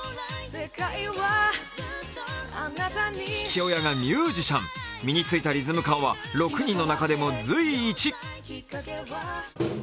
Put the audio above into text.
父親がミュージシャン身についたリズム感は６人の中でも随一。